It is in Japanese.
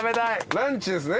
ランチですね？